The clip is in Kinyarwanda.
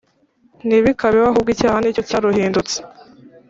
Ntibikabeho ahubwo icyaha ni cyo cyaruhindutse